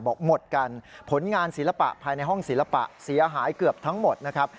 บอกหมดกันผลงานศิลปะภายในห้องศิลปะเสียหายเกือบทั้งหมดนะครับ